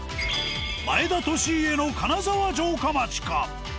前田利家の金沢城下町か？